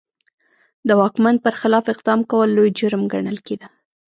د واکمن پر خلاف اقدام کول لوی جرم ګڼل کېده.